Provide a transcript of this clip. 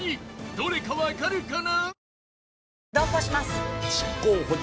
どれかわかるかな？